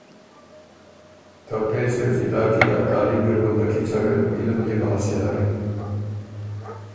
ته پېڅ پېڅ علاقي ا طالِبی ر بُو دۀ کی څوېن علُم يې بو حاصلوِن۔